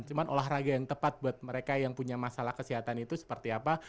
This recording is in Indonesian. cuma olahraga yang tepat buat mereka yang punya masalah kesehatan itu seperti apa